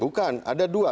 bukan ada dua